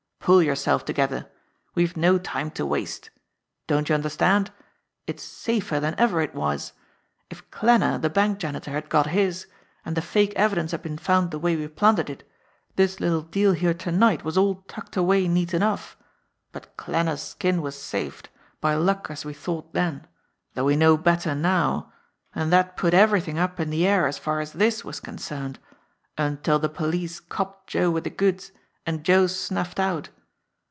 "Pull yourself together ! We've no time to waste. Don't you understand? It's safer than ever it was ! If Klanner, the bank janitor, had got his, and the fake evidence had been found the way we planted it, this little deal here to night was all tucked away neat enough. But Klanner's skin was saved, by luck as we thought then, though we know better now, and that put everything up in the air as far as this was concerned until the police copped Joe with the goods, and Joe snuffed out.